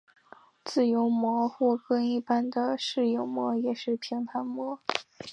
自由模或更一般的射影模也是平坦模。